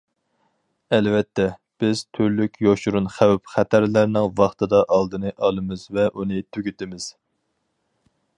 ئەلۋەتتە، بىز تۈرلۈك يوشۇرۇن خەۋپ- خەتەرلەرنىڭ ۋاقتىدا ئالدىنى ئالىمىز ۋە ئۇنى تۈگىتىمىز.